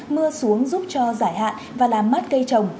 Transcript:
mưa xuống giúp cho giải hạn và làm mát cây trồng